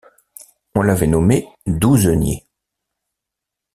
On l’avait nommé douzenier.